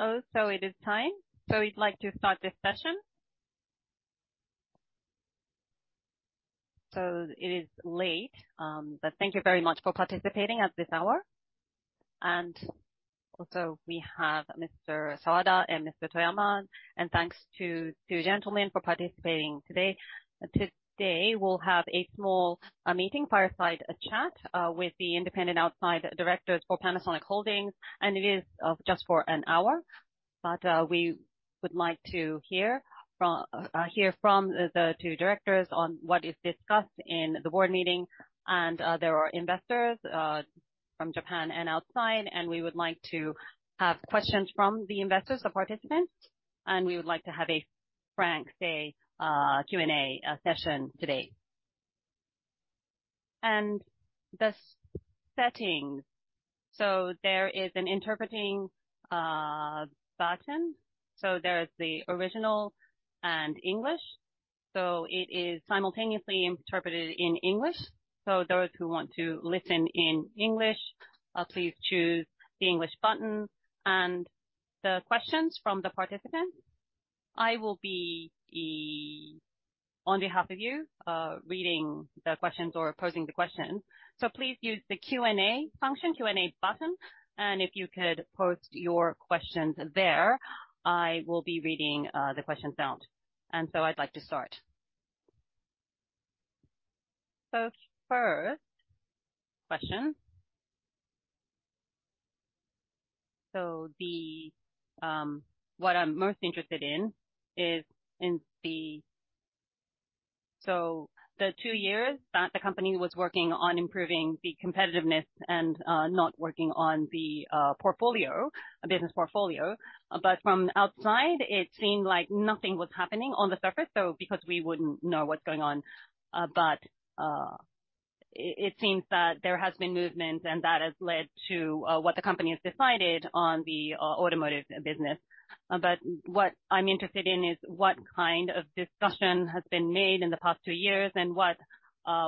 Hello, so it is time. We'd like to start this session. It is late, but thank you very much for participating at this hour. Also, we have Mr. Sawada and Mr. Toyama, and thanks to the two gentlemen for participating today. Today, we'll have a small meeting, fireside chat, with the independent outside directors for Panasonic Holdings, and it is just for an hour. But we would like to hear from the two directors on what is discussed in the board meeting. There are investors from Japan and outside, and we would like to have questions from the investors, the participants, and we would like to have a frank Q&A session today. The setting, so there is an interpreting button. So there's the original and English, so it is simultaneously interpreted in English. So those who want to listen in English, please choose the English button. And the questions from the participants, I will be the, on behalf of you, reading the questions or posing the questions, so please use the Q&A function, Q&A button, and if you could post your questions there, I will be reading the questions out, and so I'd like to start. So first question. So the, what I'm most interested in is in the... So the two years that the company was working on improving the competitiveness and, not working on the, portfolio, business portfolio, but from outside, it seemed like nothing was happening on the surface, so, because we wouldn't know what's going on. But it seems that there has been movement, and that has led to what the company has decided on the automotive business. But what I'm interested in is, what kind of discussion has been made in the past two years, and what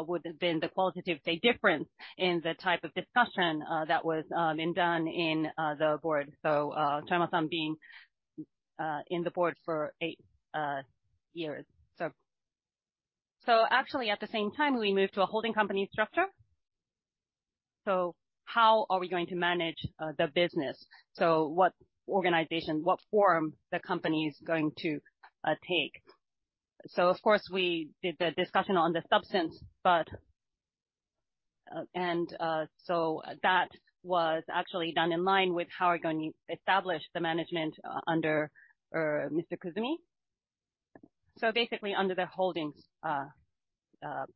would have been the qualitative, say, difference in the type of discussion that was been done in the board? So Toyama-san being in the board for eight years. So actually, at the same time, we moved to a holding company structure. So how are we going to manage the business? So what organization, what form the company is going to take? So of course, we did the discussion on the substance, but and so that was actually done in line with how we're going to establish the management under Mr. Kusumi. So basically, under the holding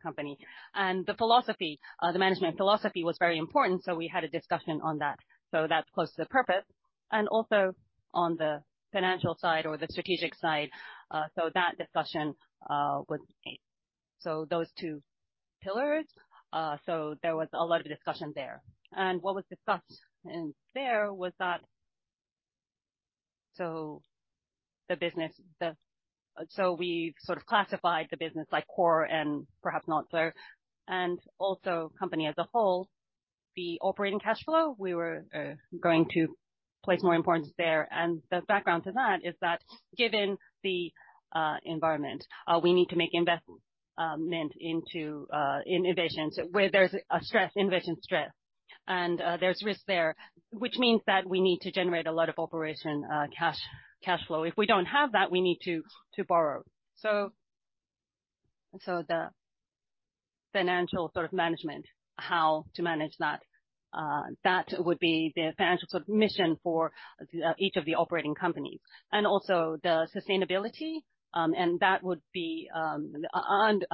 company. And the philosophy, the management philosophy was very important, so we had a discussion on that. So that's close to the purpose, and also on the financial side or the strategic side, so that discussion was made. So those two pillars, so there was a lot of discussion there. And what was discussed in there was that, so the business, the. So we sort of classified the business like core and perhaps not so, and also company as a whole, the operating cash flow, we were going to place more importance there. The background to that is that given the environment, we need to make investment into innovations, where there's a stress, innovation stress, and there's risk there, which means that we need to generate a lot of operational cash flow. If we don't have that, we need to borrow. The financial sort of management, how to manage that, that would be the financial sort of mission for each of the operating companies. And also the sustainability, and that would be underpinning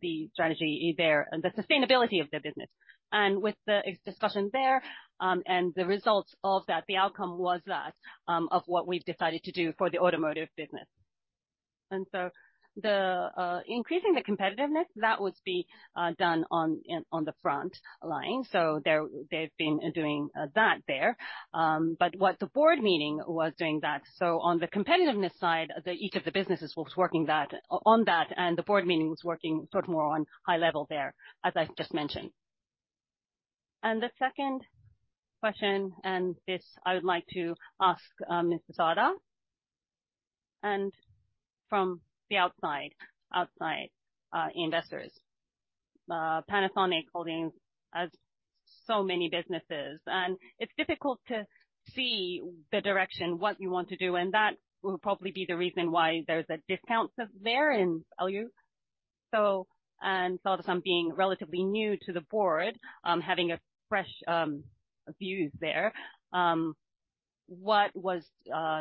the strategy there, the sustainability of the business. And with the discussion there, and the results of that, the outcome was that of what we've decided to do for the automotive business. And so the increasing the competitiveness, that would be done on the front line. So they've been doing that there. But what the board meeting was doing, so on the competitiveness side, each of the businesses was working on that, and the board meeting was working sort of more on high level there, as I've just mentioned. And the second question, and this, I would like to ask Mr. Sawada, and from the outside investors. Panasonic Holdings has so many businesses, and it's difficult to see the direction, what you want to do, and that will probably be the reason why there's a discount there in value. So, and Sawada-san being relatively new to the board, having a fresh views there, what was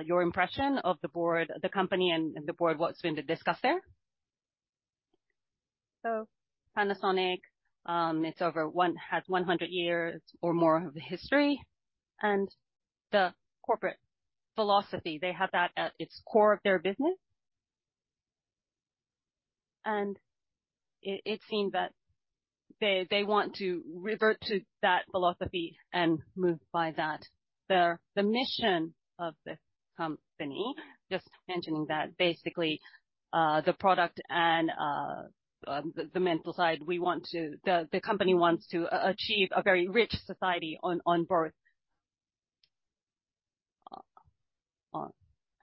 your impression of the board, the company and, and the board, what's been discussed there? So Panasonic, it's over 100 years or more of history, and the corporate philosophy, they have that at its core of their business. And it seemed that they want to revert to that philosophy and move by that. The mission of the company, just mentioning that, basically, the product and the mental side, we want to, the company wants to achieve a very rich society on both.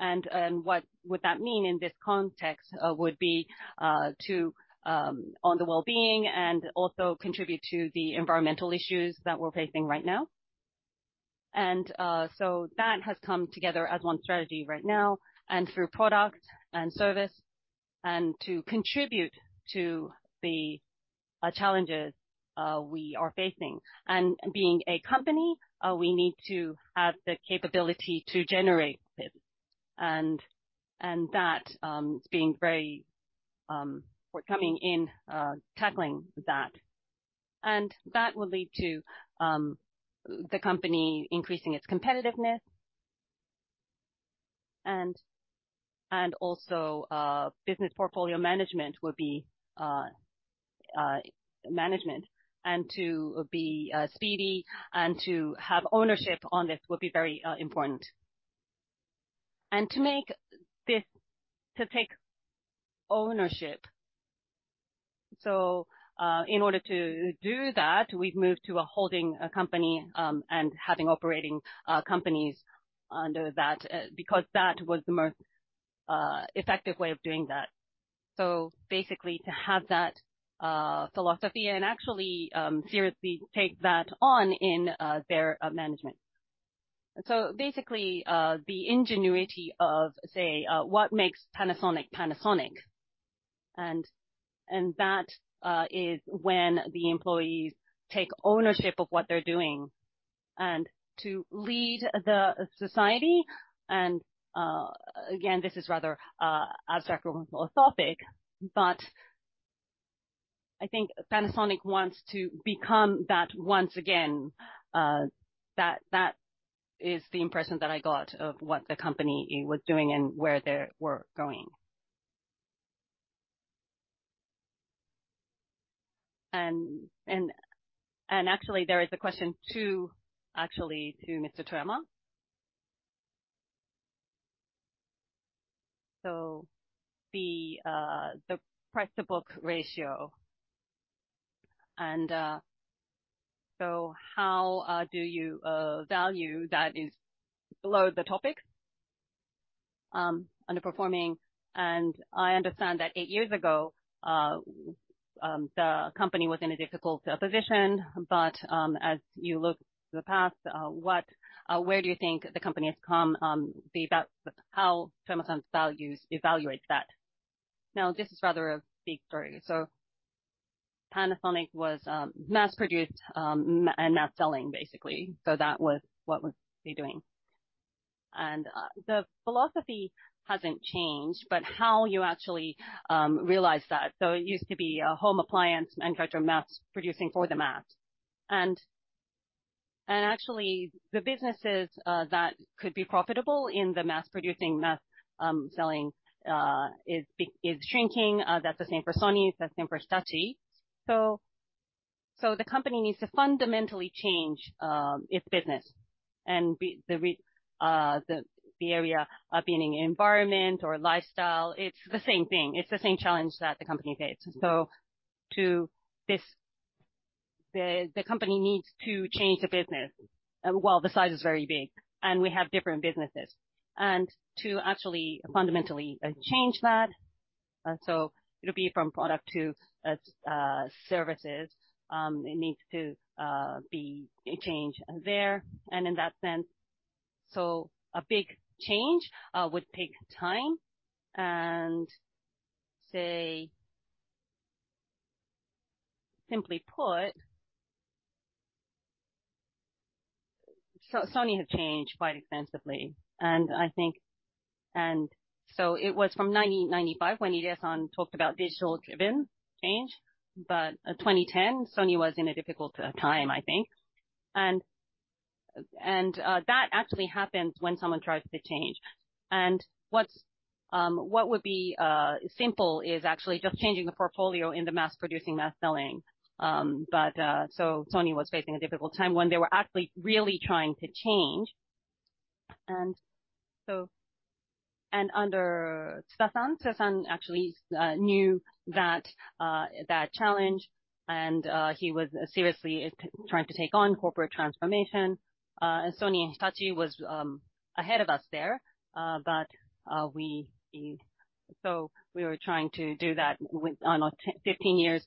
And what would that mean in this context, would be to on the well-being and also contribute to the environmental issues that we're facing right now. So that has come together as one strategy right now, and through product and service, and to contribute to the challenges we are facing. Being a company, we need to have the capability to generate profit, and that is being very, we're coming in tackling that. And that will lead to the company increasing its competitiveness. And also, business portfolio management will be management, and to be speedy and to have ownership on this will be very important. To take ownership, so in order to do that, we've moved to a holding company and having operating companies under that because that was the most effective way of doing that. So basically, to have that philosophy and actually seriously take that on in their management. So basically, the ingenuity of, say, what makes Panasonic, Panasonic, and that is when the employees take ownership of what they're doing and to lead the society. And again, this is rather abstract or philosophic, but I think Panasonic wants to become that once again. That is the impression that I got of what the company was doing and where they were going. And actually, there is a question to, actually, to Mr. Toyama. So the price-to-book ratio, and so how do you value that is below the topic underperforming? I understand that eight years ago, the company was in a difficult position, but as you look to the past, what, where do you think the company has come, how Panasonic's values evaluate that? Now, this is rather a big story. Panasonic was mass produced and mass selling, basically. That was what was they doing. The philosophy hasn't changed, but how you actually realize that. It used to be a home appliance and mass producing for the mass. Actually, the businesses that could be profitable in the mass producing, mass selling is shrinking. That's the same for Sony, that's the same for Hitachi. So, so the company needs to fundamentally change its business and the area being environment or lifestyle, it's the same thing. It's the same challenge that the company faces. So to this, the company needs to change the business while the size is very big, and we have different businesses. And to actually fundamentally change that, so it'll be from product to services, it needs to be a change there. And in that sense, so a big change would take time and say... Simply put, Sony has changed quite extensively, and I think, and so it was from 1995 when Idei-san talked about digital-driven change, but 2010, Sony was in a difficult time, I think. And that actually happens when someone tries to change. What would be simple is actually just changing the portfolio in the mass producing, mass selling. But so Sony was facing a difficult time when they were actually really trying to change. And so and under Tsuga, Tsuga actually knew that that challenge, and he was seriously trying to take on corporate transformation. And Sony and Hitachi were ahead of us there, but so we were trying to do that with on a 15-year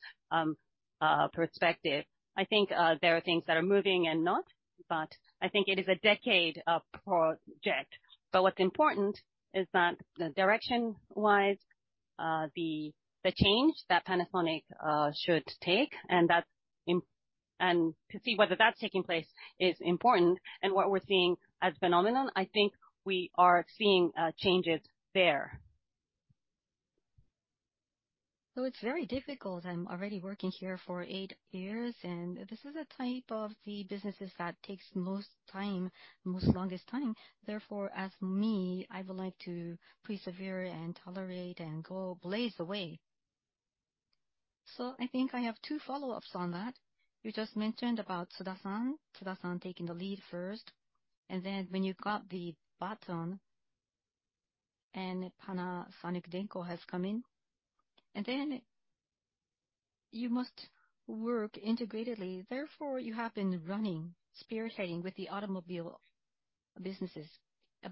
perspective. I think there are things that are moving and not, but I think it is a decade project. But what's important is that the direction-wise, the change that Panasonic should take, and that's important and to see whether that's taking place is important. What we're seeing as a phenomenon, I think we are seeing changes there. So it's very difficult. I'm already working here for eight years, and this is a type of the businesses that takes most time, most longest time. Therefore, as me, I would like to persevere and tolerate and go blaze the way... So I think I have two follow-ups on that. You just mentioned about Tsuda-san, Tsuda-san taking the lead first, and then when you got the baton and Panasonic Denko has come in, and then you must work integratedly. Therefore, you have been running, spearheading with the automobile businesses.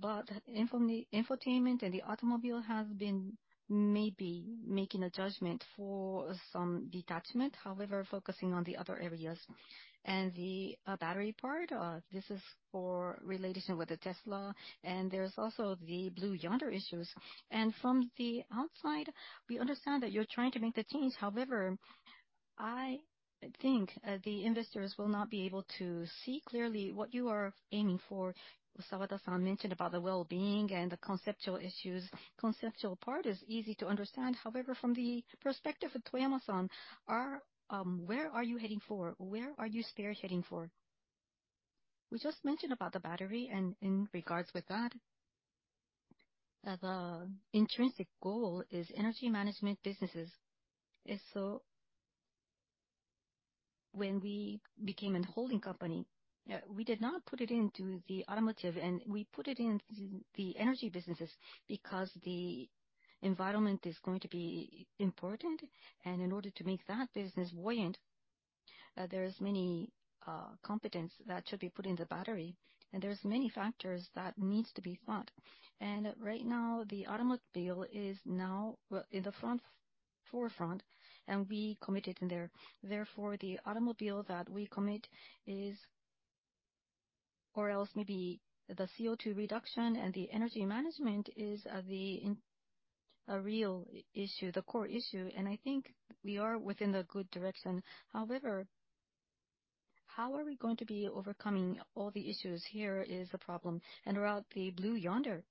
But infotainment and the automobile have been maybe making a judgment for some detachment, however, focusing on the other areas. And the battery part, this is for relationship with the Tesla, and there's also the Blue Yonder issues. And from the outside, we understand that you're trying to make the change. However, I think, the investors will not be able to see clearly what you are aiming for. Sawada-san mentioned about the well-being and the conceptual issues. Conceptual part is easy to understand. However, from the perspective of Toyama-san, are, where are you heading for? Where are you spearheading for? We just mentioned about the battery, and in regards with that, the intrinsic goal is energy management businesses. And so when we became a holding company, we did not put it into the automotive, and we put it in the energy businesses because the environment is going to be important. And in order to make that business buoyant, there is many, competence that should be put in the battery, and there's many factors that needs to be thought. And right now, the automobile is now in the front, forefront, and we committed in there. Therefore, the automobile that we commit is or else maybe the CO2 reduction and the energy management is a real issue, the core issue, and I think we are within the good direction. However, how are we going to be overcoming all the issues? Here is the problem. And around the Blue Yonder,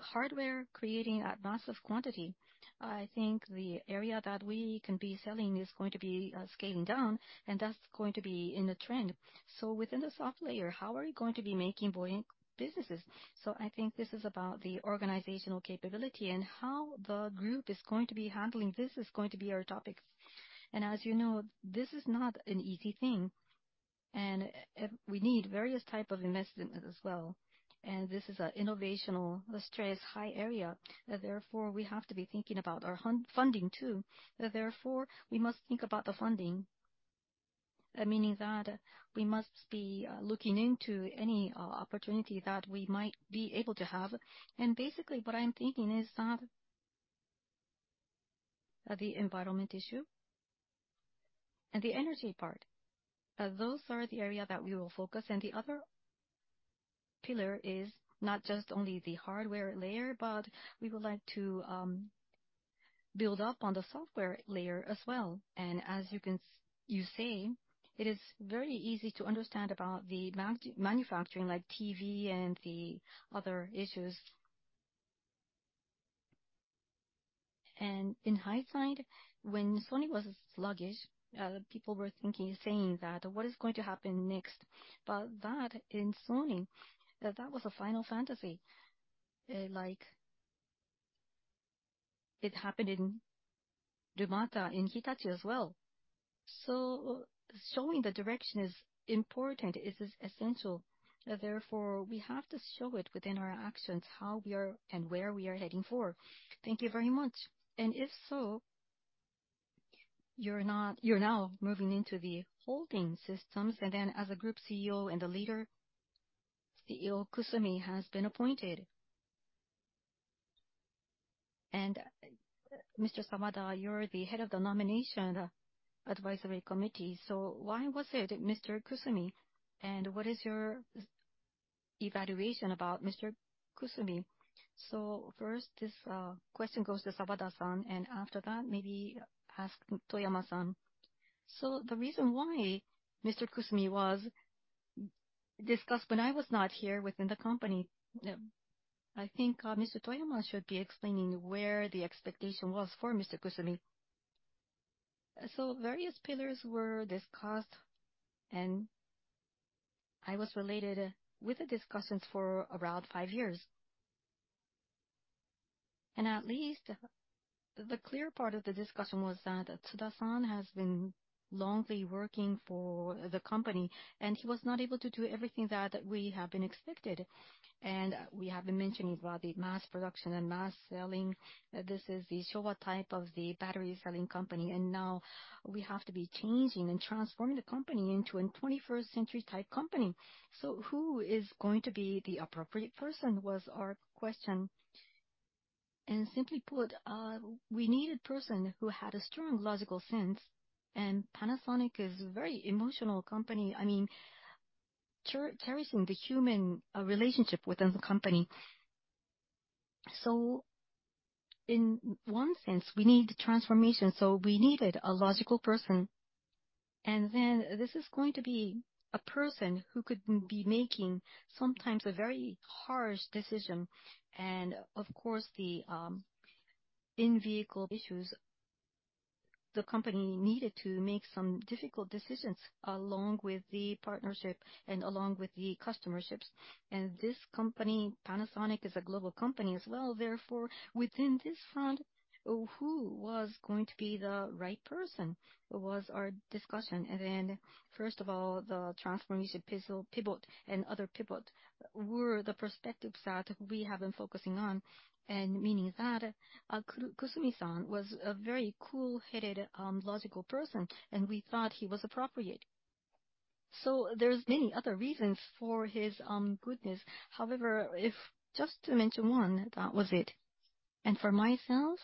hardware creating at massive quantity, I think the area that we can be selling is going to be scaling down, and that's going to be in the trend. So within the soft layer, how are you going to be making buoyant businesses? So I think this is about the organizational capability, and how the group is going to be handling this is going to be our topic. And as you know, this is not an easy thing, and we need various type of investment as well. This is an innovation, the high-stress area. Therefore, we have to be thinking about our funding, too. Therefore, we must think about the funding, meaning that we must be looking into any opportunity that we might be able to have. And basically, what I'm thinking is that, the environment issue and the energy part, those are the area that we will focus. And the other pillar is not just only the hardware layer, but we would like to build up on the software layer as well. And as you can see, you say, it is very easy to understand about the manufacturing, like TV and the other issues. In hindsight, when Sony was sluggish, people were thinking, saying that, "What is going to happen next?" But that, in Sony, that that was a Final Fantasy, like it happened in Numata, in Hitachi as well. So showing the direction is important, it is essential. Therefore, we have to show it within our actions, how we are and where we are heading for. Thank you very much. If so, you're not—you're now moving into the holding systems, and then as a group CEO and a leader, CEO Kusumi has been appointed. Mr. Sawada, you're the head of the Nomination Advisory Committee, so why was it Mr. Kusumi, and what is your evaluation about Mr. Kusumi? So first, this question goes to Sawada-san, and after that, maybe ask Toyama-san. So the reason why Mr. Kusumi was discussed when I was not here within the company. I think Mr. Toyama should be explaining where the expectation was for Mr. Kusumi. Various pillars were discussed, and I was related with the discussions for around five years. At least, the clear part of the discussion was that Tsuda-san has been lengthy working for the company, and he was not able to do everything that we have been expected. We have been mentioning about the mass production and mass selling. This is the Showa type of the battery selling company, and now we have to be changing and transforming the company into a 21st century type company. Who is going to be the appropriate person was our question. Simply put, we needed person who had a strong logical sense, and Panasonic is a very emotional company. I mean, cherishing the human relationship within the company. So in one sense, we need transformation, so we needed a logical person. And then this is going to be a person who could be making sometimes a very harsh decision. And of course, the in-vehicle issues the company needed to make some difficult decisions along with the partnership and along with the customerships. And this company, Panasonic, is a global company as well. Therefore, within this front, who was going to be the right person, was our discussion. And then, first of all, the transformation pivotal, pivot, and other pivot were the perspectives that we have been focusing on, and meaning that, Kusumi-san was a very cool-headed, logical person, and we thought he was appropriate. So there's many other reasons for his goodness. However, if just to mention one, that was it. And for myself,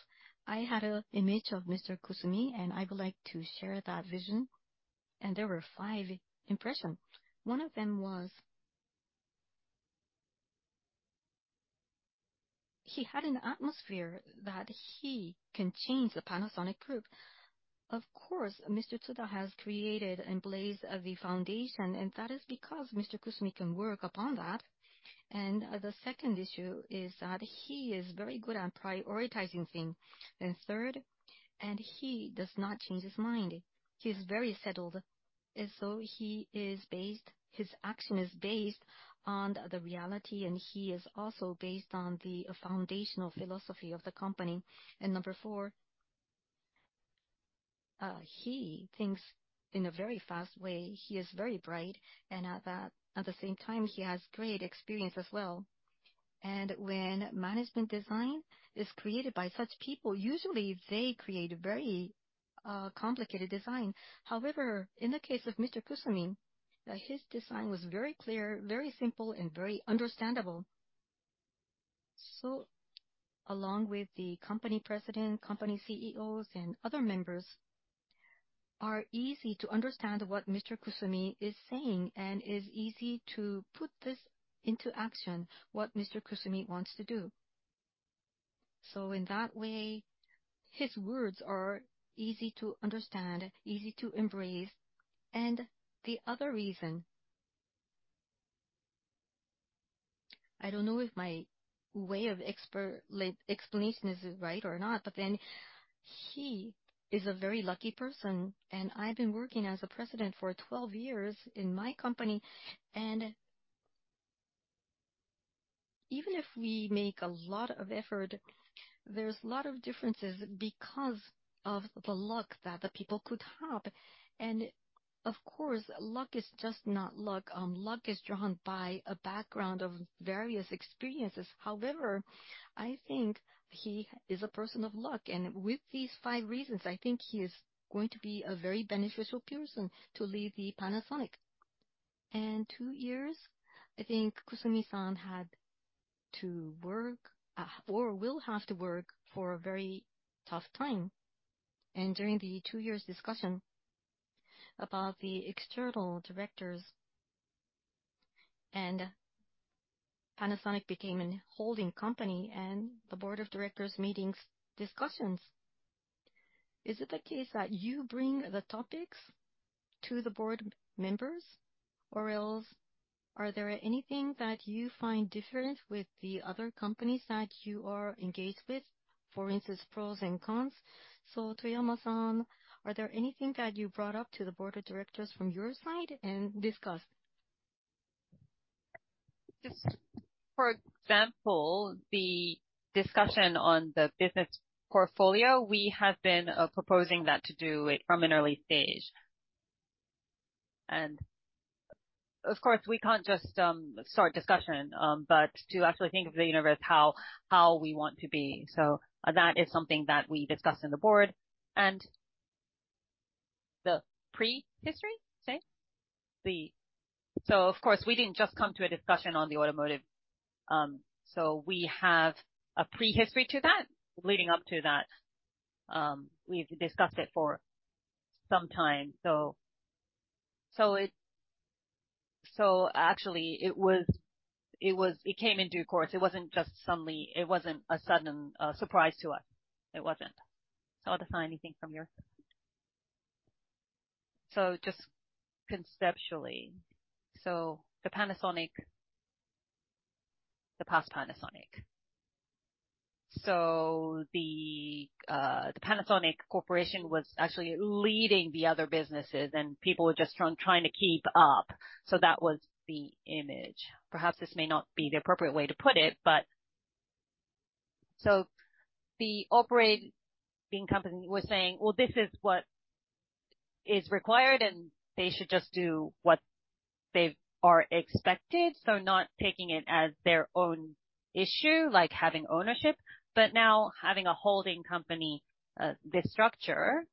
I had an image of Mr. Kusumi, and I would like to share that vision. There were five impressions. One of them was, he had an atmosphere that he can change the Panasonic Group. Of course, Mr. Tsuga has created and blazed the foundation, and that is because Mr. Kusumi can work upon that. The second issue is that he is very good at prioritizing things. Then third, he does not change his mind. He's very settled, and so he is based; his action is based on the reality, and he is also based on the foundational philosophy of the company. And number four, he thinks in a very fast way. He is very bright, and at that, at the same time, he has great experience as well. When management design is created by such people, usually they create a very, complicated design. However, in the case of Mr. Kusumi, his design was very clear, very simple and very understandable. So along with the company president, company CEOs and other members, are easy to understand what Mr. Kusumi is saying and is easy to put this into action, what Mr. Kusumi wants to do. So in that way, his words are easy to understand, easy to embrace. And the other reason... I don't know if my way of explanation is right or not, but then he is a very lucky person, and I've been working as a president for 12 years in my company, and even if we make a lot of effort, there's a lot of differences because of the luck that the people could have. Of course, luck is just not luck. Luck is drawn by a background of various experiences. However, I think he is a person of luck, and with these five reasons, I think he is going to be a very beneficial person to lead the Panasonic. And two years, I think Kusumi-san had to work, or will have to work for a very tough time. And during the two years discussion about the external directors, and Panasonic became an holding company and the board of directors meetings discussions, is it the case that you bring the topics to the board members, or else, are there anything that you find different with the other companies that you are engaged with, for instance, pros and cons? So, Toyama-san, are there anything that you brought up to the board of directors from your side and discussed? Just for example, the discussion on the business portfolio, we have been proposing that to do it from an early stage. And of course, we can't just start discussion, but to actually think of the universe, how, how we want to be. So that is something that we discussed in the board. And the prehistory, say? So of course, we didn't just come to a discussion on the automotive. So we have a prehistory to that, leading up to that. We've discussed it for some time. So actually it was, it came in due course. It wasn't just suddenly, it wasn't a sudden surprise to us. It wasn't. So Athena, anything from your side? So just conceptually, so the Panasonic, the past Panasonic. So the Panasonic Corporation was actually leading the other businesses, and people were just trying, trying to keep up. So that was the image. Perhaps this may not be the appropriate way to put it, but... So the operating company was saying, "Well, this is what is required, and they should just do what they are expected." So not taking it as their own issue, like having ownership, but now having a holding company, this structure.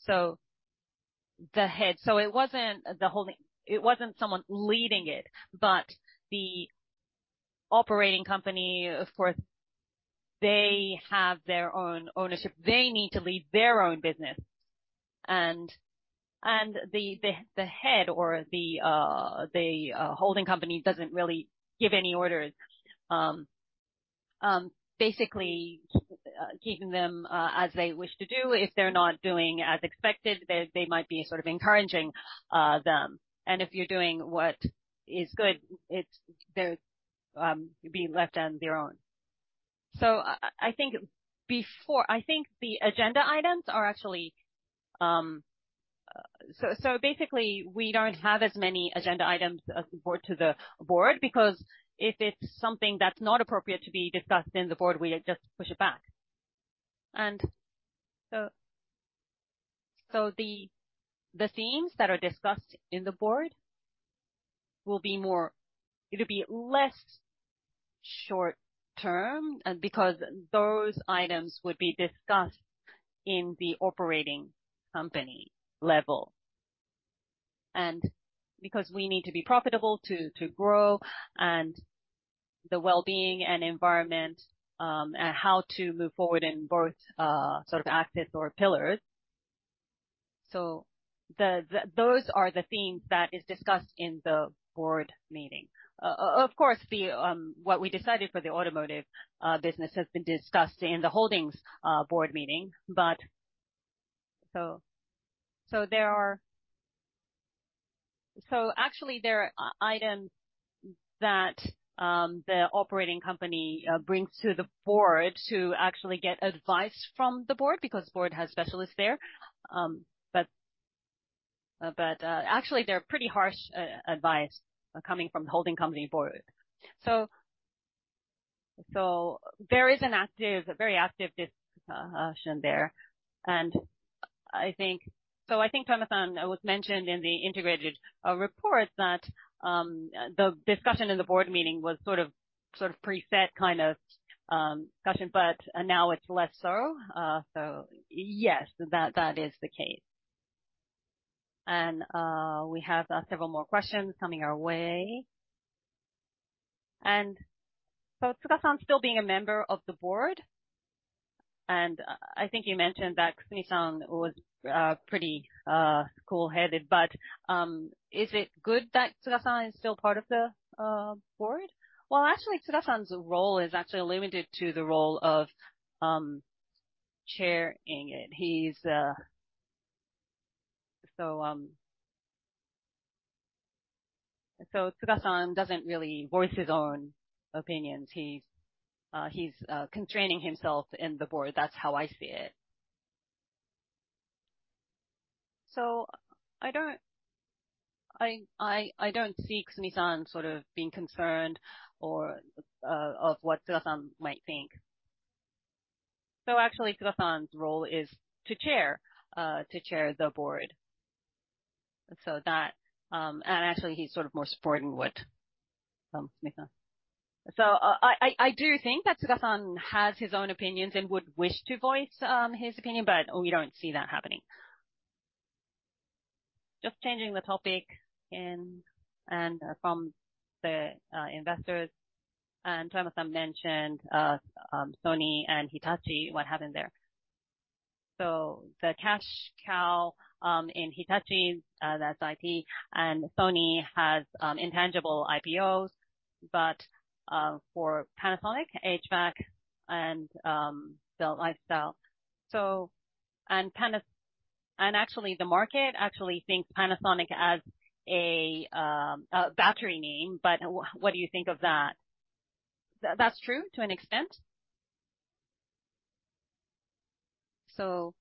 So it wasn't the holding, it wasn't someone leading it, but the operating company, of course, they have their own ownership. They need to lead their own business. And the head or the holding company doesn't really give any orders. Basically, keeping them as they wish to do. If they're not doing as expected, they might be sort of encouraging them. And if you're doing what is good, it's they're being left on their own. So I think before, I think the agenda items are actually. So basically, we don't have as many agenda items to brought to the board, because if it's something that's not appropriate to be discussed in the board, we just push it back. So the themes that are discussed in the board will be more. It'll be less short term, because those items would be discussed in the operating-company level. Because we need to be profitable to grow and the well-being and environment, and how to move forward in both sort of axis or pillars. So those are the themes that is discussed in the board meeting. Of course, what we decided for the automotive business has been discussed in the Holdings board meeting. But so there are. So actually, there are items that the operating company brings to the board to actually get advice from the board, because board has specialists there. But actually, they're pretty harsh advice coming from the holding company board. So there is an active, a very active discussion there, and I think. So I think, Toyama-san, it was mentioned in the integrated report that the discussion in the board meeting was sort of, sort of preset kind of discussion, but now it's less so? So yes, that is the case. And, we have several more questions coming our way. So Tsuga-san still being a member of the board, and I think you mentioned that Kusumi-san was pretty cool-headed, but is it good that Tsuga-san is still part of the board? Well, actually, Tsuga-san's role is actually limited to the role of chairing it. He's. So Tsuga-san doesn't really voice his own opinions. He's constraining himself in the board. That's how I see it. So I don't see Kusumi-san sort of being concerned or of what Tsuga-san might think. So actually, Tsuga-san's role is to chair the board. So that. And actually, he's sort of more supporting what Kusumi-san.I do think that Tsuga-san has his own opinions and would wish to voice his opinion, but we don't see that happening. Just changing the topic and from the investors, and Toyama-san mentioned Sony and Hitachi, what happened there? So the cash cow in Hitachi, that's IT, and Sony has intangible IPOs, but for Panasonic, HVAC and the lifestyle. And actually, the market actually thinks Panasonic as a battery name, but what do you think of that? That's true, to an extent. So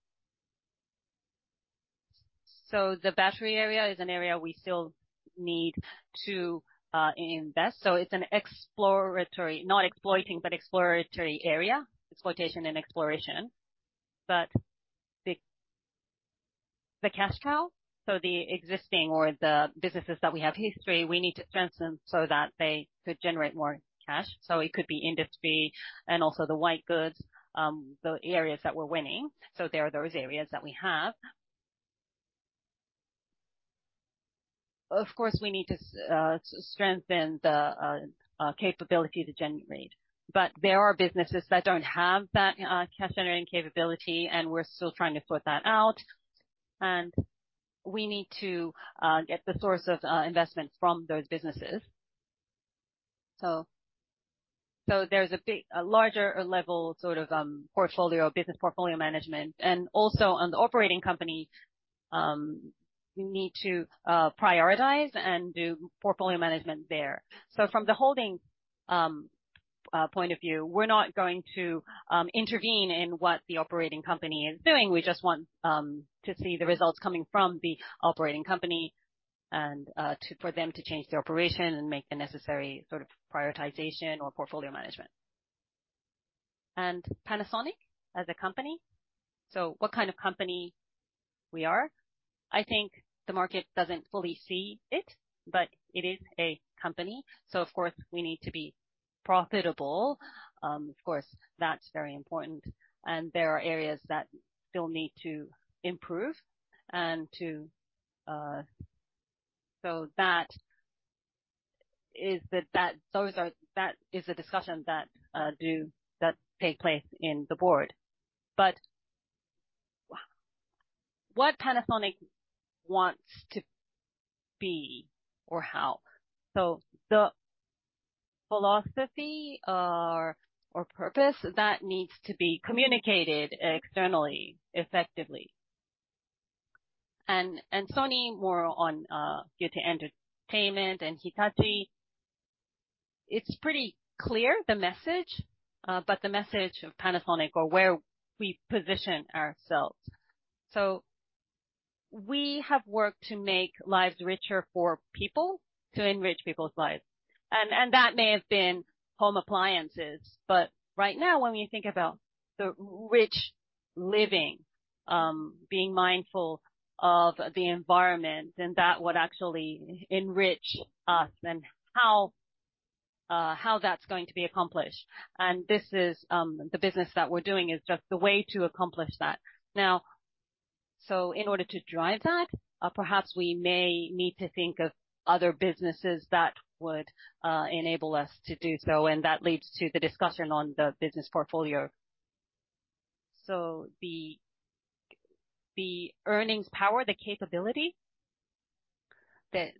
the battery area is an area we still need to invest. So it's an exploratory, not exploiting, but exploratory area. Exploitation and exploration. But the cash cow, so the existing or the businesses that we have history, we need to strengthen so that they could generate more cash. So it could be industry and also the white goods, the areas that we're winning. So there are those areas that we have. Of course, we need to strengthen the capability to generate, but there are businesses that don't have that cash-generating capability, and we're still trying to sort that out. And we need to get the source of investment from those businesses. So there's a big, larger level, sort of, portfolio, business portfolio management. And also, on the operating company, we need to prioritize and do portfolio management there. So from the holding point of view, we're not going to intervene in what the operating company is doing. We just want to see the results coming from the operating company and for them to change their operation and make the necessary sort of prioritization or portfolio management. And Panasonic, as a company, so what kind of company we are? I think the market doesn't fully see it, but it is a company, so of course, we need to be profitable. Of course, that's very important, and there are areas that still need to improve and to... That is the discussion that take place in the board. But what Panasonic wants to be or how? So the philosophy or purpose, that needs to be communicated externally, effectively.... Sony more on get to entertainment and Hitachi. It's pretty clear the message, but the message of Panasonic or where we position ourselves. So we have worked to make lives richer for people, to enrich people's lives, and that may have been home appliances, but right now, when we think about the rich living, being mindful of the environment and that what actually enrich us and how how that's going to be accomplished, and this is the business that we're doing is just the way to accomplish that. Now, so in order to drive that, perhaps we may need to think of other businesses that would enable us to do so, and that leads to the discussion on the business portfolio. So the earnings power, the capability, there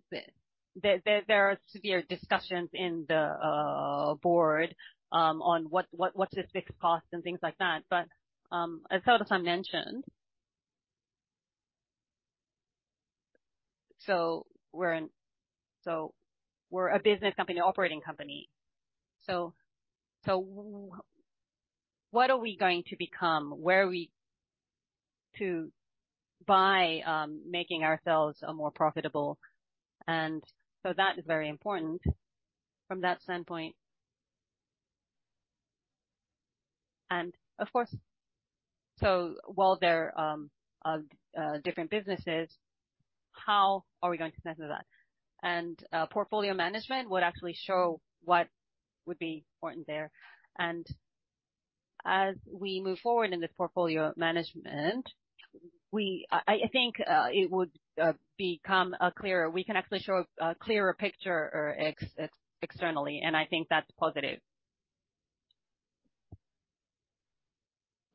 are severe discussions in the board on what's the fixed cost and things like that. But as Sawada-san mentioned... So we're a business company, operating company, so what are we going to become? Where are we to by making ourselves more profitable? And so that is very important from that standpoint. And of course, so while there are different businesses, how are we going to connect with that? And portfolio management would actually show what would be important there. And as we move forward in the portfolio management, I think it would become clearer. We can actually show a clearer picture or externally, and I think that's positive.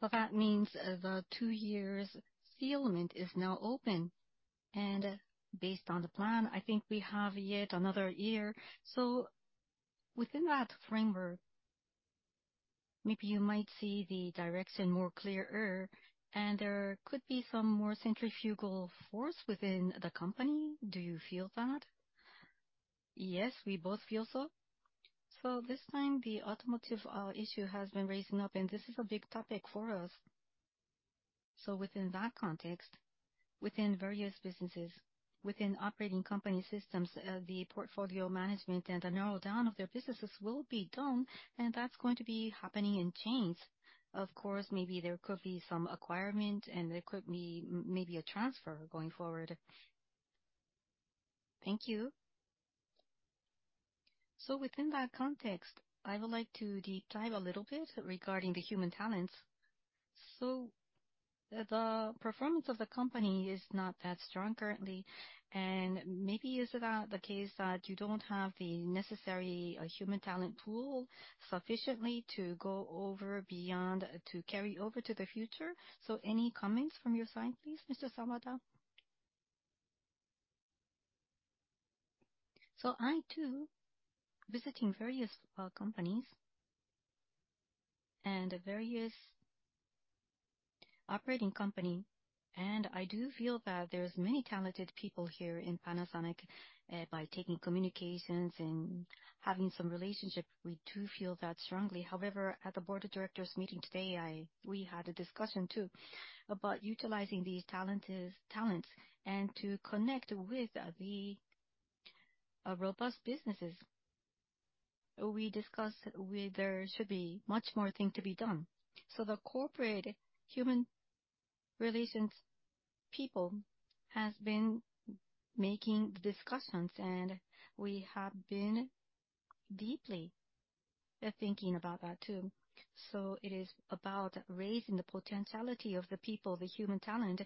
So that means, the two years ceiling is now open, and based on the plan, I think we have yet another year. So within that framework, maybe you might see the direction more clearer, and there could be some more centrifugal force within the company. Do you feel that? Yes, we both feel so. So this time, the automotive issue has been raising up, and this is a big topic for us. So within that context, within various businesses, within operating company systems, the portfolio management and the narrow down of their businesses will be done, and that's going to be happening in chains. Of course, maybe there could be some acquirement, and there could be maybe a transfer going forward. Thank you. So within that context, I would like to deep dive a little bit regarding the human talents. So the performance of the company is not that strong currently, and maybe is that the case that you don't have the necessary human talent pool sufficiently to go over beyond, to carry over to the future? So any comments from your side, please, Mr. Sawada? So I, too, visiting various, companies and various operating company, and I do feel that there's many talented people here in Panasonic. By taking communications and having some relationship, we do feel that strongly. However, at the board of directors meeting today, we had a discussion, too, about utilizing these talented talents and to connect with the, robust businesses. We discussed where there should be much more thing to be done. So the corporate human relations people has been making discussions, and we have been deeply, thinking about that, too. So it is about raising the potentiality of the people, the human talent,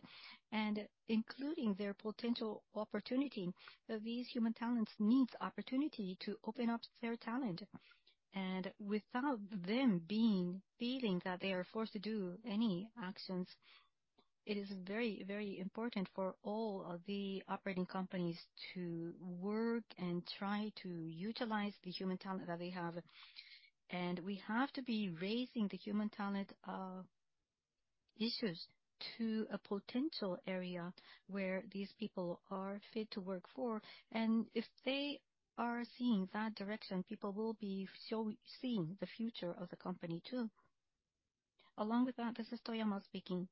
and including their potential opportunity. These human talents needs opportunity to open up their talent, and without them being, feeling that they are forced to do any actions, it is very, very important for all of the operating companies to work and try to utilize the human talent that they have. We have to be raising the human talent issues to a potential area where these people are fit to work for. If they are seeing that direction, people will be seeing the future of the company, too. Along with that, this is Toyama speaking.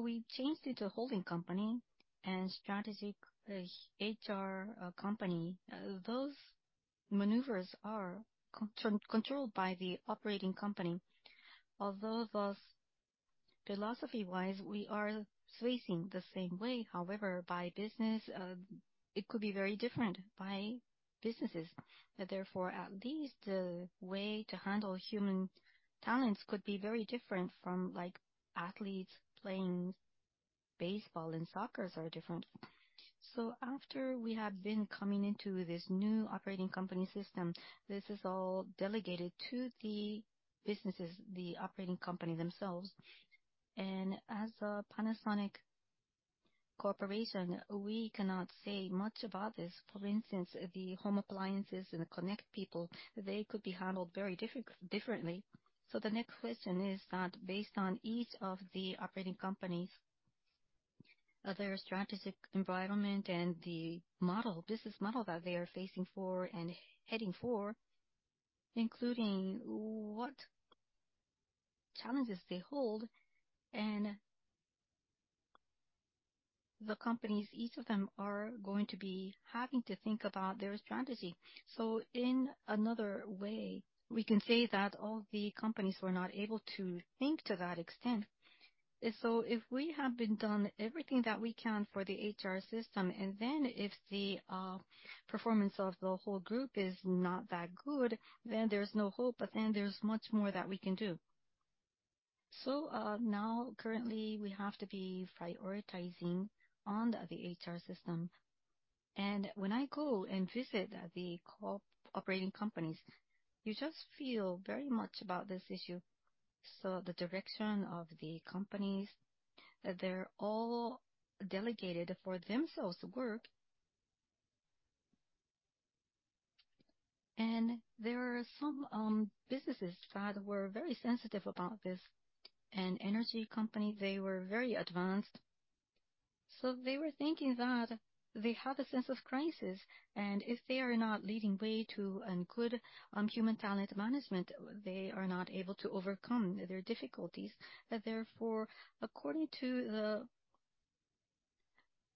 We changed it to holding company and strategic HR company. Those maneuvers are controlled by the operating company. Although those, philosophy-wise, we are facing the same way, however, by business, it could be very different by businesses. But therefore, at least the way to handle human talents could be very different from, like, athletes playing baseball and soccer are different. So after we have been coming into this new operating company system, this is all delegated to the businesses, the operating company themselves. And as a Panasonic Corporation, we cannot say much about this. For instance, the home appliances and the Connect People, they could be handled very differently. So the next question is that based on each of the operating companies, their strategic environment and the model, business model that they are facing for and heading for, including what challenges they hold and the companies, each of them are going to be having to think about their strategy. So in another way, we can say that all the companies were not able to think to that extent. And so if we have been done everything that we can for the HR system, and then if the, performance of the whole group is not that good, then there's no hope, but then there's much more that we can do. So, now, currently, we have to be prioritizing on the HR system. And when I go and visit the operating companies, you just feel very much about this issue. So the direction of the companies, they're all delegated for themselves work. And there are some, businesses that were very sensitive about this. And Energy company, they were very advanced, so they were thinking that they have a sense of crisis, and if they are not leading way to a good, human talent management, they are not able to overcome their difficulties. That, therefore, according to the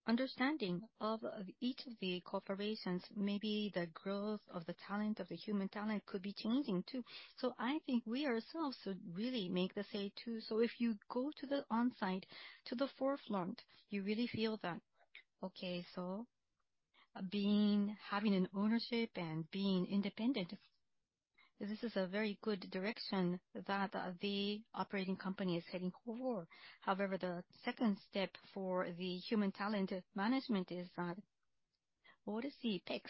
understanding of, of each of the corporations, maybe the growth of the talent, of the human talent could be changing, too. So I think we ourselves should really make the say, too. So if you go to the on-site, to the forefront, you really feel that, okay, so being, having an ownership and being independent, this is a very good direction that the operating company is heading for. However, the second step for the human talent management is that, what is the PEC?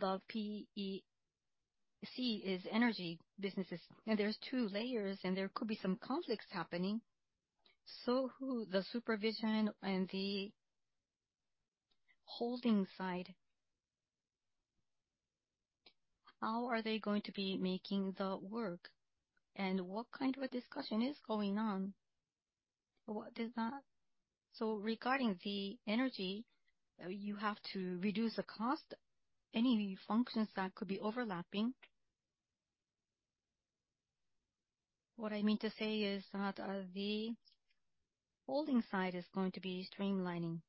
The PEC is energy businesses, and there's two layers, and there could be some conflicts happening. So who, the supervision and the holding side, how are they going to be making the work? And what kind of a discussion is going on? What does that... So regarding the energy, you have to reduce the cost, any functions that could be overlapping. What I mean to say is that, the holding side is going to be streamlining.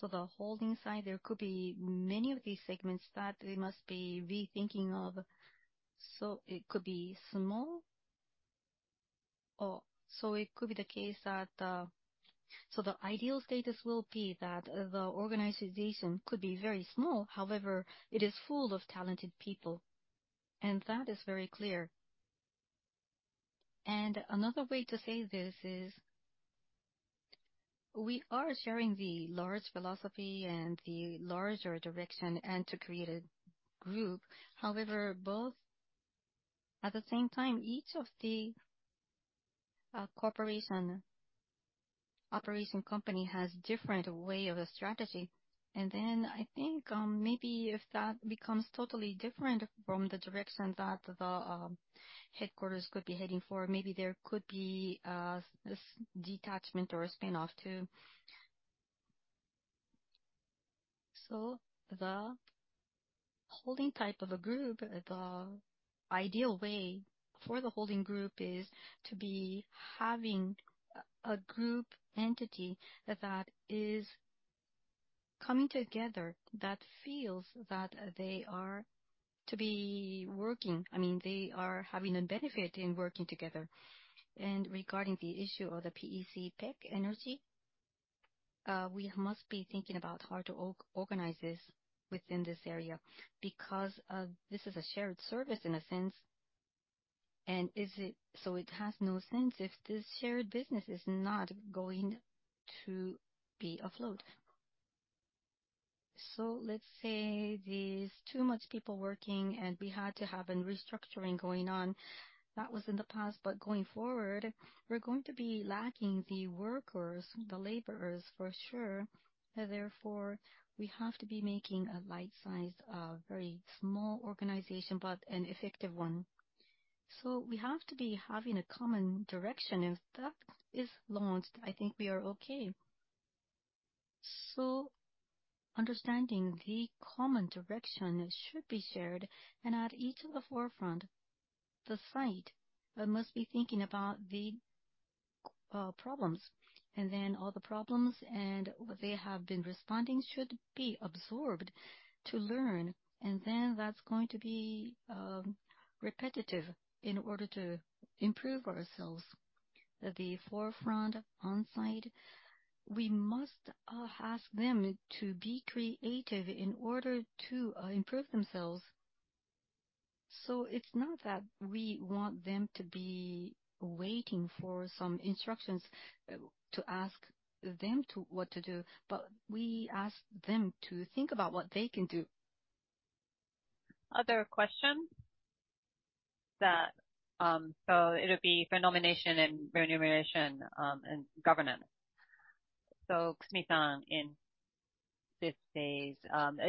So the holding side, there could be many of these segments that we must be rethinking of, so it could be small or so it could be the case that. So the ideal status will be that the organization could be very small, however, it is full of talented people, and that is very clear. Another way to say this is, we are sharing the large philosophy and the larger direction and to create a group. However, both at the same time, each of the corporations, operating companies has different way of a strategy. Then I think, maybe if that becomes totally different from the direction that the headquarters could be heading for, maybe there could be this detachment or a spin-off, too. So the holding type of a group, the ideal way for the holding group is to be having a group entity that is coming together, that feels that they are to be working. I mean, they are having a benefit in working together. Regarding the issue of the PEC energy, we must be thinking about how to organize this within this area, because this is a shared service in a sense, and so it has no sense if this shared business is not going to be afloat. So let's say there's too much people working, and we had to have a restructuring going on. That was in the past, but going forward, we're going to be lacking the workers, the laborers, for sure. Therefore, we have to be making a right size, a very small organization, but an effective one. So we have to be having a common direction. If that is launched, I think we are okay. So understanding the common direction should be shared, and at each of the forefront, the site, must be thinking about the, problems. And then all the problems and what they have been responding should be absorbed to learn, and then that's going to be, repetitive in order to improve ourselves. At the forefront on-site, we must, ask them to be creative in order to, improve themselves. So it's not that we want them to be waiting for some instructions, to ask them to, what to do, but we ask them to think about what they can do.... Other questions? That, so it'll be for nomination and remuneration, and governance. So Kusumi-san, in this phase,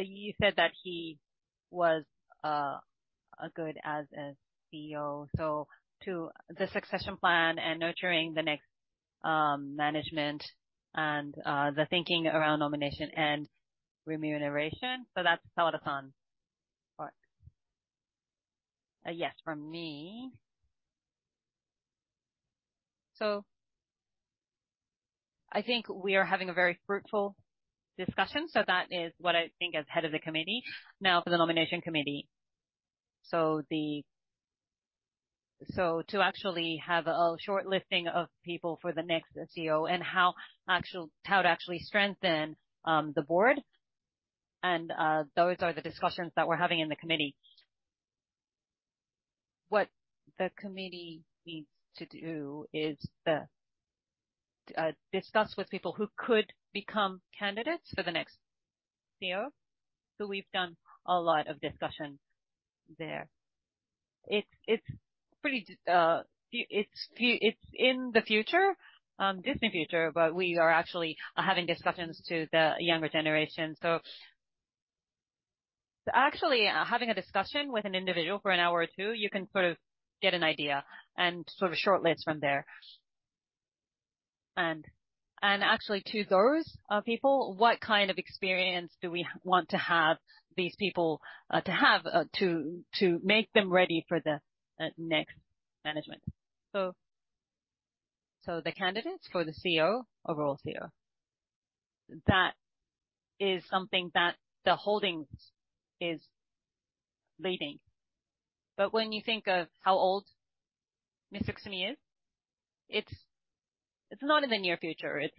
you said that he was, a good as a CEO, so to the succession plan and nurturing the next, management and, the thinking around nomination and remuneration. So that's Sawada-san part. Yes, from me. So I think we are having a very fruitful discussion. So that is what I think as head of the committee. Now, for the nomination committee, so to actually have a shortlisting of people for the next CEO and how actual, how to actually strengthen, the board, and, those are the discussions that we're having in the committee. What the committee needs to do is, discuss with people who could become candidates for the next CEO. So we've done a lot of discussions there. It's, it's pretty, it's in the future, distant future, but we are actually having discussions to the younger generation. So actually, having a discussion with an individual for an hour or two, you can sort of get an idea and sort of shortlist from there. And actually, to those people, what kind of experience do we want to have, these people to have, to make them ready for the next management? So the candidates for the CEO are all CEO. That is something that the Holdings is leading. But when you think of how old Mr. Kusumi is, it's not in the near future. It's...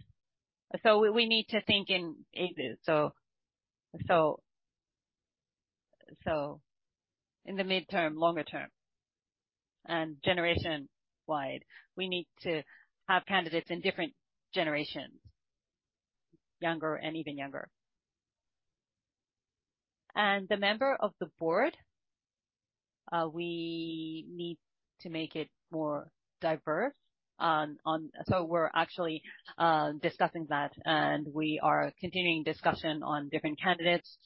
So we need to think in ages. So in the midterm, longer term, and generation-wide, we need to have candidates in different generations, younger and even younger. The member of the board, we need to make it more diverse on. So we're actually discussing that, and we are continuing discussion on different candidates.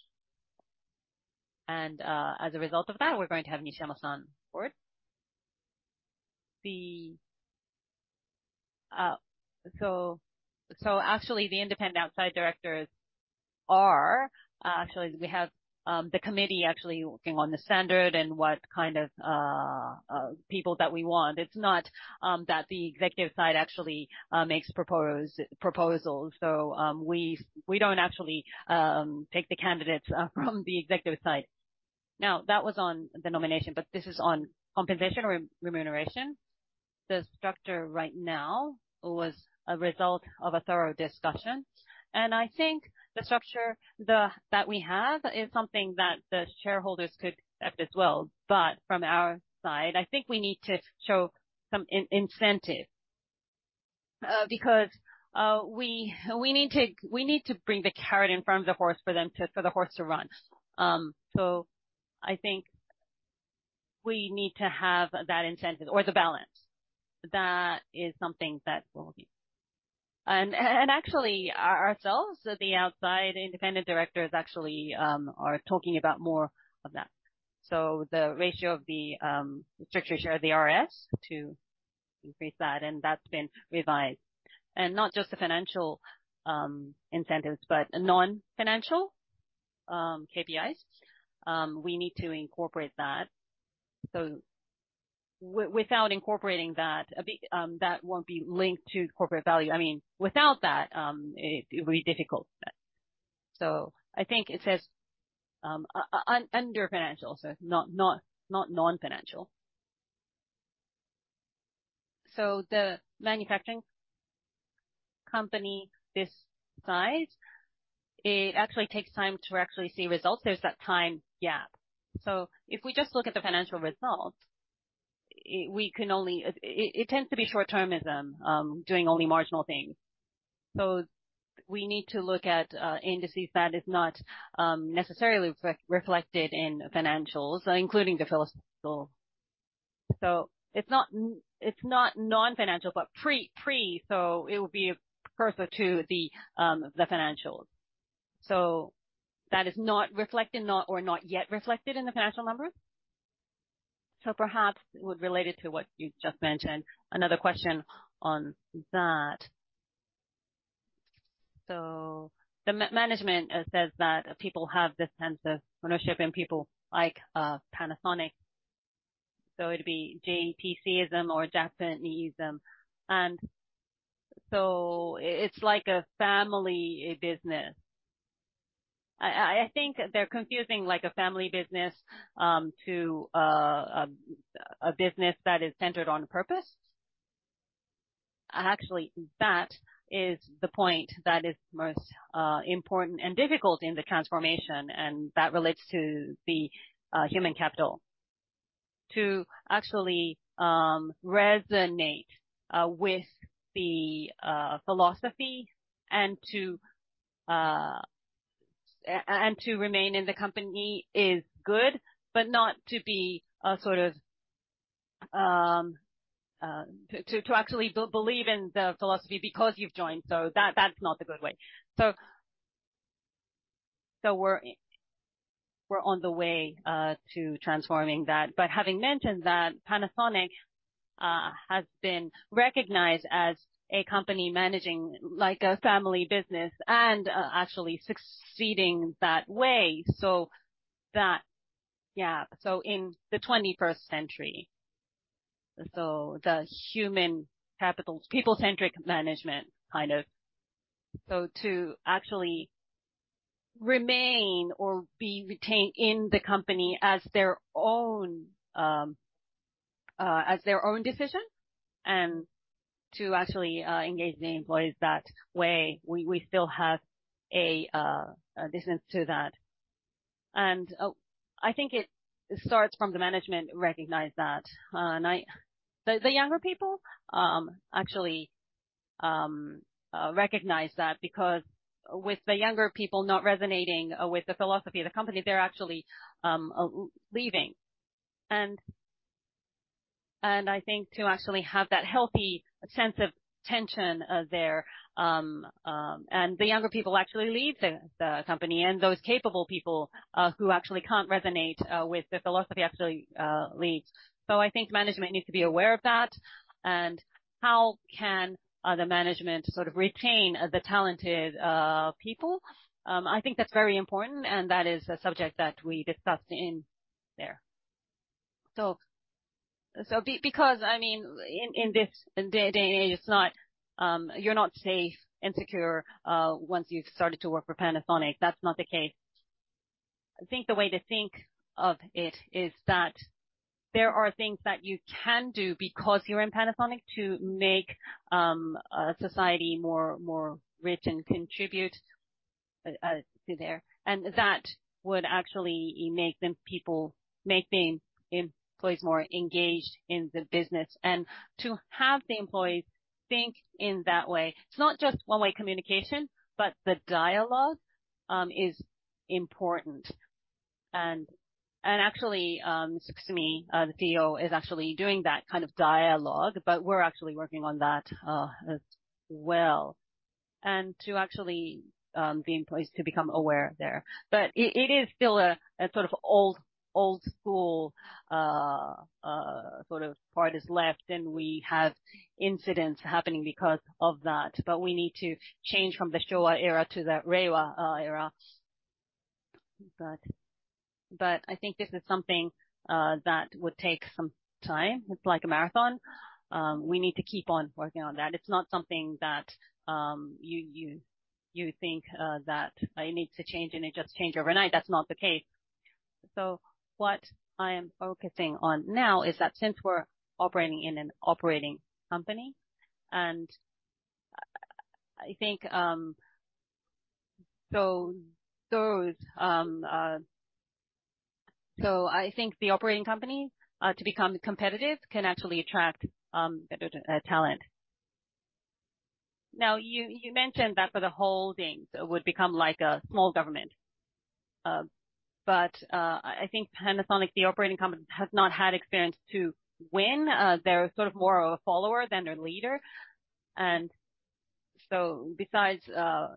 As a result of that, we're going to have Nishiyama San on board. So actually, the independent outside directors are actually we have the committee actually working on the standard and what kind of people that we want. It's not that the executive side actually makes proposals. So we don't actually take the candidates from the executive side. Now, that was on the nomination, but this is on compensation or remuneration. The structure right now was a result of a thorough discussion, and I think the structure that we have is something that the shareholders could accept as well. But from our side, I think we need to show some incentive, because we need to bring the carrot in front of the horse for the horse to run. So I think we need to have that incentive or the balance. That is something that will be... And actually, ourselves, the outside independent directors, actually, are talking about more of that. So the ratio of the restricted share of the RS to increase that, and that's been revised. And not just the financial incentives, but non-financial KPIs. We need to incorporate that. So without incorporating that, that won't be linked to corporate value. I mean, without that, it will be difficult. So I think it says under financial, so not non-financial. So the manufacturing company this size, it actually takes time to actually see results. There's that time gap. So if we just look at the financial results, we can only... It tends to be short-termism, doing only marginal things. So we need to look at indices that is not necessarily reflected in financials, including the philosophical. So it's not non-financial, but pre, so it would be precursor to the financials. So that is not reflected, or not yet reflected in the financial numbers. So perhaps it would relate it to what you just mentioned. Another question on that. So the management says that people have this sense of ownership in people like Panasonic. So it'd be JPCism or Japanism. And so it's like a family business. I think they're confusing, like, a family business to a business that is centered on purpose. Actually, that is the point that is most important and difficult in the transformation, and that relates to the human capital to actually resonate with the philosophy and to remain in the company is good, but not to be sort of to actually believe in the philosophy because you've joined, so that's not the good way. So we're on the way to transforming that. But having mentioned that, Panasonic has been recognized as a company managing like a family business and actually succeeding that way. So in the 21st century, so the human capital, people-centric management kind of... So to actually remain or be retained in the company as their own, as their own decision, and to actually engage the employees that way, we still have a business to that. And I think it starts from the management recognize that, and the younger people actually recognize that, because with the younger people not resonating with the philosophy of the company, they're actually leaving. I think to actually have that healthy sense of tension, and the younger people actually leave the company, and those capable people who actually can't resonate with the philosophy actually leave. So I think management needs to be aware of that, and how can the management sort of retain the talented people? I think that's very important, and that is a subject that we discussed in there. Because, I mean, in this day and age, it's not, you're not safe and secure once you've started to work for Panasonic. That's not the case. I think the way to think of it is that there are things that you can do because you're in Panasonic, to make society more rich and contribute to there. That would actually make the people, make the employees more engaged in the business. To have the employees think in that way, it's not just one-way communication, but the dialogue is important. Actually, Kusumi, the CEO, is actually doing that kind of dialogue, but we're actually working on that as well. To actually the employees to become aware there. But it is still a sort of old school sort of part is left, and we have incidents happening because of that, but we need to change from the Showa era to the Reiwa era. But I think this is something that would take some time. It's like a marathon. We need to keep on working on that. It's not something that, you think, that I need to change, and it just change overnight. That's not the case. So what I am focusing on now is that since we're operating in an operating company, and I think, so those. So I think the operating company, to become competitive, can actually attract, better, talent. Now, you mentioned that for the holdings, it would become like a small government. But, I think Panasonic, the operating company, has not had experience to win. They're sort of more of a follower than a leader. And so besides, the,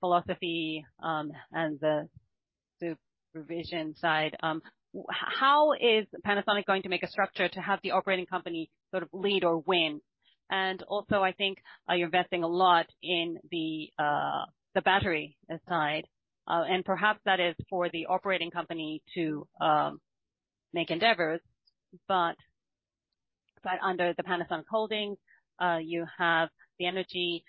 philosophy, and the, the revision side, how is Panasonic going to make a structure to have the operating company sort of lead or win? Also, I think, you're investing a lot in the battery side, and perhaps that is for the operating company to make endeavors. But under the Panasonic Holdings, you have the energy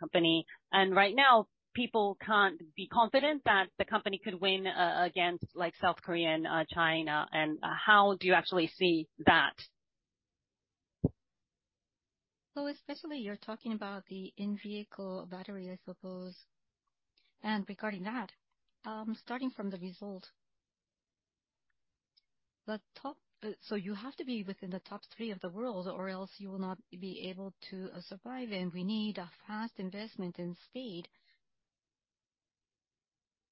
company, and right now, people can't be confident that the company could win against, like, South Korean, and China. How do you actually see that? So especially you're talking about the in-vehicle battery, I suppose. And regarding that, starting from the result, the top, so you have to be within the top three of the world, or else you will not be able to, survive, and we need a fast investment and speed.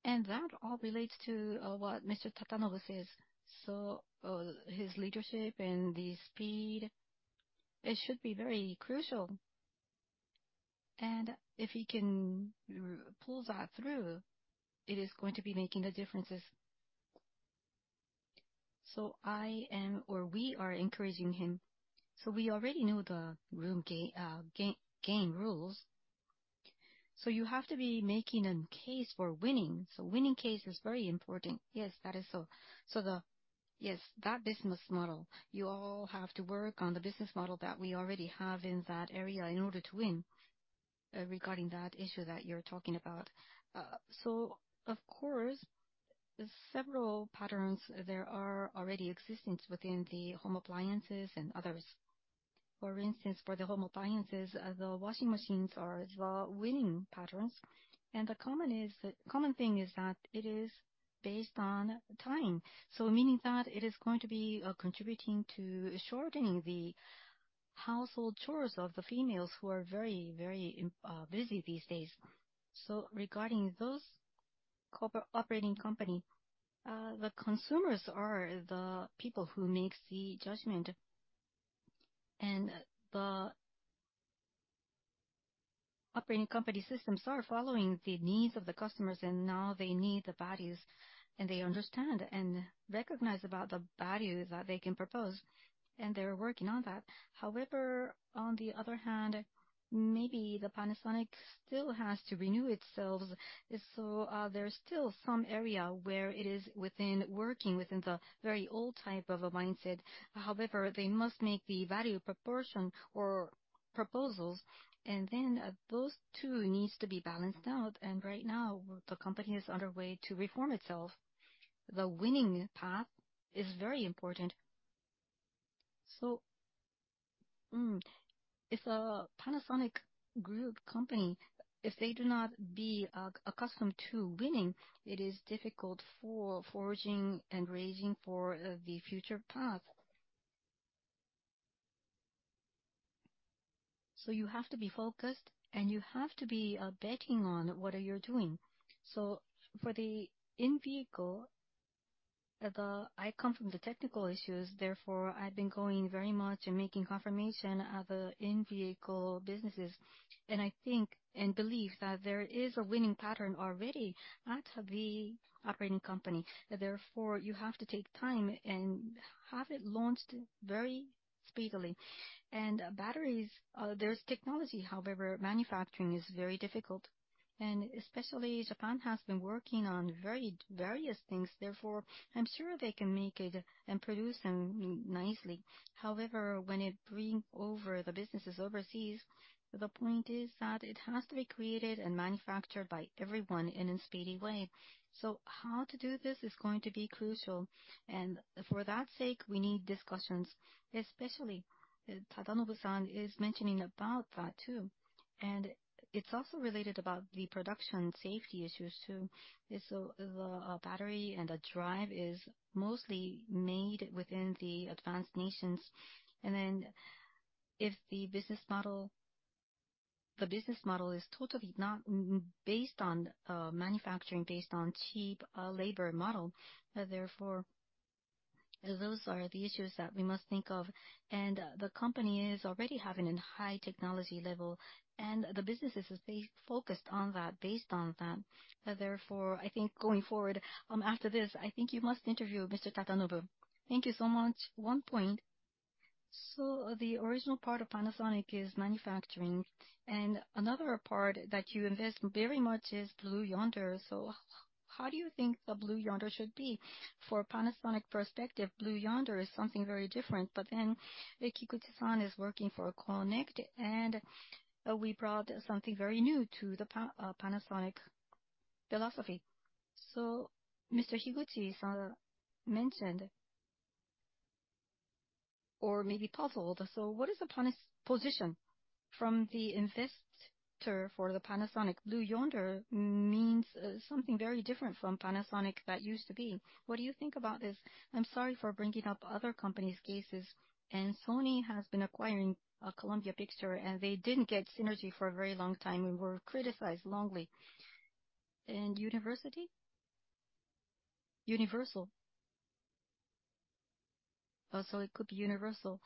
And that all relates to, what Mr. Tadanobu says. So, his leadership and the speed, it should be very crucial. And if he can pull that through, it is going to be making the differences. So I am, or we are encouraging him. So we already know the room game rules. So you have to be making a case for winning. So winning case is very important. Yes, that is so. So the... Yes, that business model, you all have to work on the business model that we already have in that area in order to win, regarding that issue that you're talking about. So of course, several patterns there are already existent within the home appliances and others.... For instance, for the home appliances, the washing machines are the winning patterns. And the common is, the common thing is that it is based on time. So meaning that it is going to be, contributing to shortening the household chores of the females who are very, very, busy these days. So regarding those corporate operating company, the consumers are the people who makes the judgment, and the operating company systems are following the needs of the customers, and now they need the values, and they understand and recognize about the value that they can propose, and they're working on that. However, on the other hand, maybe the Panasonic still has to renew itself. So, there's still some area where it is within working within the very old type of a mindset. However, they must make the value proportion or proposals, and then, those two needs to be balanced out, and right now, the company is underway to reform itself. The winning path is very important. So, if a Panasonic Group company, if they do not be, accustomed to winning, it is difficult for forging and raging for, the future path? So you have to be focused, and you have to be betting on what you're doing. So for the in-vehicle, I come from the technical issues, therefore, I've been going very much and making confirmation of the in-vehicle businesses, and I think and believe that there is a winning pattern already at the operating company. Therefore, you have to take time and have it launched very speedily. And batteries, there's technology; however, manufacturing is very difficult. And especially Japan has been working on very various things, therefore, I'm sure they can make it and produce them nicely. However, when it bring over the businesses overseas, the point is that it has to be created and manufactured by everyone in a speedy way. So how to do this is going to be crucial, and for that sake, we need discussions, especially Tadanobu-san is mentioning about that, too. It's also related about the production safety issues, too. The battery and the drive is mostly made within the advanced nations. Then if the business model, the business model is totally not based on manufacturing, based on cheap labor model, therefore, those are the issues that we must think of. The company is already having a high technology level, and the businesses is stay focused on that, based on that. Therefore, I think going forward, after this, I think you must interview Mr. Tadanobu. Thank you so much. One point, the original part of Panasonic is manufacturing, and another part that you invest very much is Blue Yonder. How do you think the Blue Yonder should be? For Panasonic perspective, Blue Yonder is something very different, but then Higuchi-san is working for Connect, and we brought something very new to the Panasonic philosophy. So Mr. Higuchi-san mentioned, or maybe puzzled, so what is the Panasonic position? From the investor for the Panasonic, Blue Yonder means something very different from Panasonic that used to be. What do you think about this? I'm sorry for bringing up other companies' cases. And Sony has been acquiring Columbia Pictures, and they didn't get synergy for a very long time and were criticized wrongly. And university? Universal. So it could be Universal.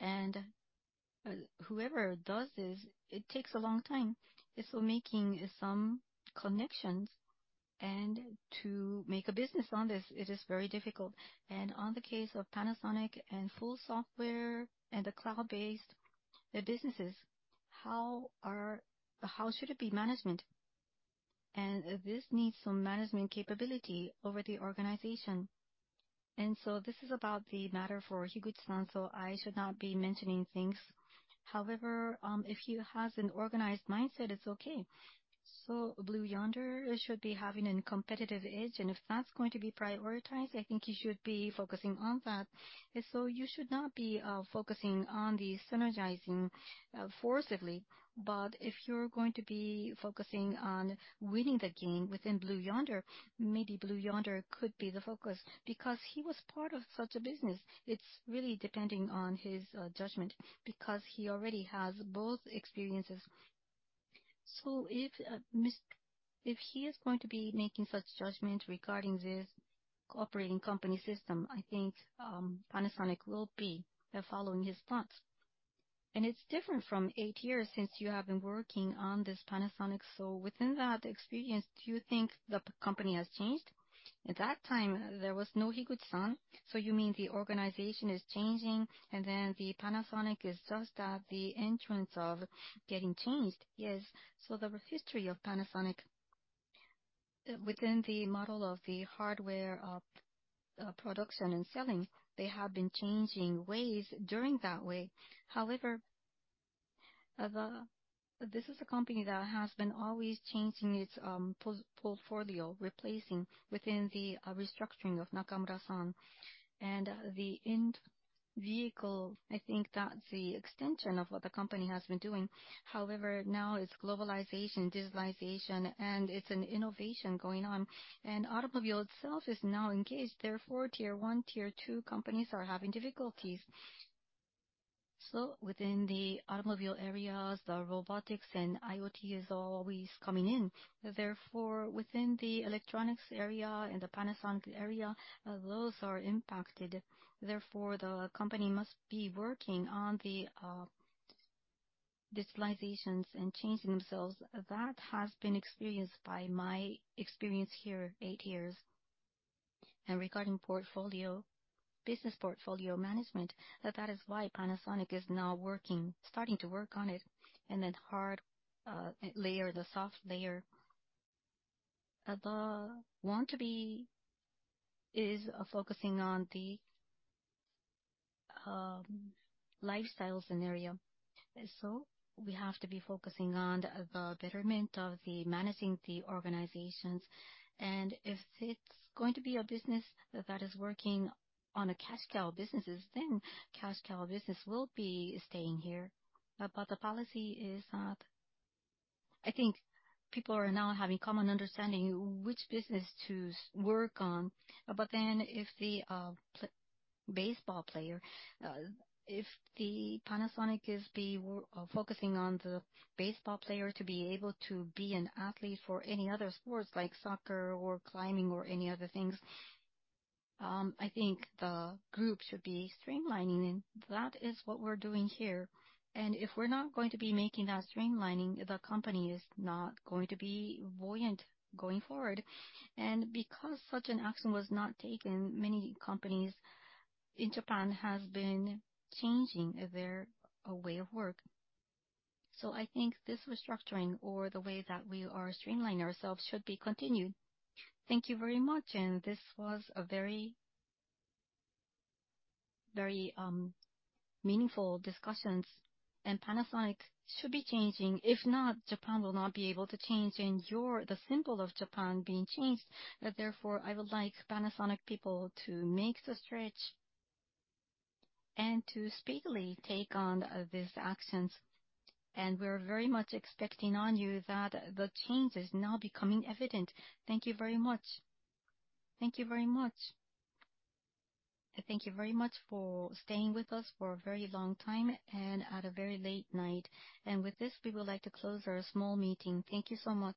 And whoever does this, it takes a long time. And so making some connections and to make a business on this, it is very difficult. On the case of Panasonic and full software and the cloud-based, the businesses, how should it be management? This needs some management capability over the organization. So this is about the matter for Higuchi-san, so I should not be mentioning things. However, if he has an organized mindset, it's okay. So Blue Yonder should be having a competitive edge, and if that's going to be prioritized, I think he should be focusing on that. And so you should not be focusing on the synergizing forcibly, but if you're going to be focusing on winning the game within Blue Yonder, maybe Blue Yonder could be the focus. Because he was part of such a business, it's really depending on his judgment, because he already has both experiences. So if he is going to be making such judgment regarding this operating company system, I think Panasonic will be following his thoughts. And it's different from eight years since you have been working on this Panasonic. So within that experience, do you think the company has changed? At that time, there was no Higuchi-san, so you mean the organization is changing, and then Panasonic is just at the entrance of getting changed? Yes. So the history of Panasonic, within the model of the hardware production and selling, they have been changing ways during that way. This is a company that has been always changing its portfolio, replacing within the restructuring of Nakamura-san. And the in-vehicle, I think that's the extension of what the company has been doing. However, now it's globalization, digitalization, and it's an innovation going on, and automobile itself is now engaged. Therefore, Tier One, Tier Two companies are having difficulties. So within the automobile areas, the robotics and IoT is always coming in. Therefore, within the electronics area and the Panasonic area, those are impacted. Therefore, the company must be working on the, digitalizations and changing themselves. That has been experienced by my experience here, eight years. And regarding portfolio, business portfolio management, that that is why Panasonic is now working, starting to work on it, and then hard, layer, the soft layer. The want to be is focusing on the, lifestyle scenario. So we have to be focusing on the betterment of the managing the organizations. And if it's going to be a business that is working on a cash cow businesses, then cash cow business will be staying here. But the policy is, I think people are now having common understanding which business to work on. But then if the baseball player, if the Panasonic is focusing on the baseball player to be able to be an athlete for any other sports, like soccer or climbing or any other things, I think the group should be streamlining, and that is what we're doing here. And if we're not going to be making that streamlining, the company is not going to be buoyant going forward. And because such an action was not taken, many companies in Japan has been changing their way of work. I think this restructuring or the way that we are streamlining ourselves should be continued. Thank you very much, and this was a very, very, meaningful discussions, and Panasonic should be changing. If not, Japan will not be able to change, and you're the symbol of Japan being changed. Therefore, I would like Panasonic people to make the stretch and to speedily take on these actions, and we're very much expecting on you that the change is now becoming evident. Thank you very much. Thank you very much. Thank you very much for staying with us for a very long time and at a very late night. With this, we would like to close our small meeting. Thank you so much.